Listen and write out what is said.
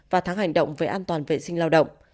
và tháng hành động về an toàn vệ sinh lao động